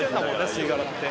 吸い殻って。